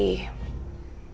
ya boleh aja sih